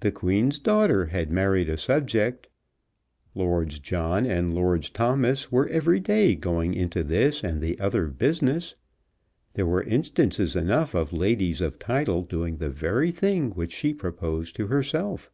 The Queen's daughter had married a subject. Lords John and Lords Thomas were every day going into this and the other business. There were instances enough of ladies of title doing the very thing which she proposed to herself.